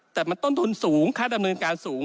แต่มันต้นทุนสูงค่าดำเนินการสูง